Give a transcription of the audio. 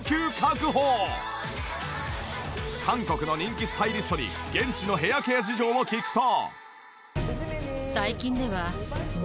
韓国の人気スタイリストに現地のヘアケア事情を聞くと。